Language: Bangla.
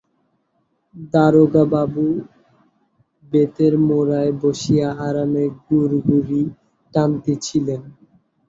দারোগাবাবু বেতের মোড়ায় বসিয়া আরামে গুড়গুড়ি টানিতেছিলেন।